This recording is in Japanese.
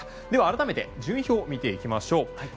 では、改めて順位表を見ていきましょう。